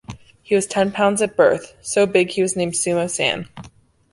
He was ten pounds at birth, so big he was nicknamed "Sumo Sam".